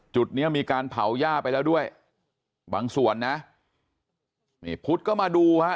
จุดเนี้ยมีการเผาย่าไปแล้วด้วยบางส่วนนะนี่พุทธก็มาดูฮะ